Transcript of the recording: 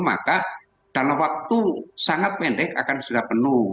maka dalam waktu sangat pendek akan sudah penuh